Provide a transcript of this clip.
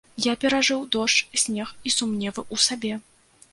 Я перажыў дождж, снег і сумневы ў сабе.